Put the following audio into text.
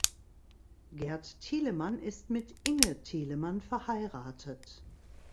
Gerd Thielemann ist mit Inge Thielemann verheiratet.